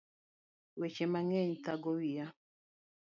Weche mang'eny thago wiya